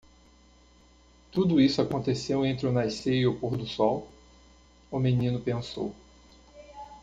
Tudo isso aconteceu entre o nascer eo pôr do sol? o menino pensou.